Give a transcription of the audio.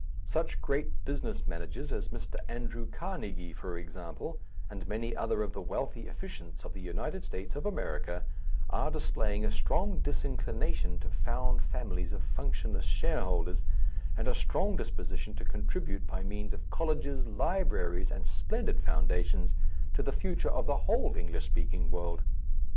Such great business managers as Mr. Andrew Carnegie, for example, and many other of the wealthy efficients of the United States of America, are displaying a strong disinclination to found families of functionless shareholders, and a strong disposition to contribute, by means of colleges, libraries, and splendid foundations, to the future of the whole English speaking world.